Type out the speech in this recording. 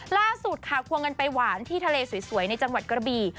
ล่าสุดค่ะควงกันไปหวานที่ทะเลสวยในจังหวัดกระบี่